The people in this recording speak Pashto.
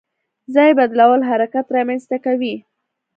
ځای بدلول حرکت رامنځته کوي.